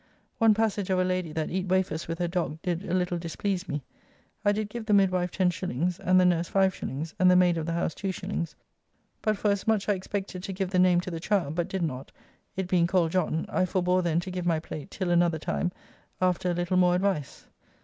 One passage of a lady that eat wafers with her dog did a little displease me. I did give the midwife 10s. and the nurse 5s. and the maid of the house 2s. But for as much I expected to give the name to the child, but did not (it being called John), I forbore then to give my plate till another time after a little more advice.